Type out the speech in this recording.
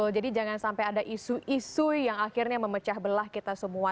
jadi jangan sampai ada isu isu yang akhirnya memecah belah kita semua